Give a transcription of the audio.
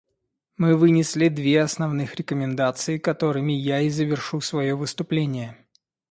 Мы вынесли две основных рекомендации, которыми я и завершу свое выступление.